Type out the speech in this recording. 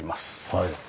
はい。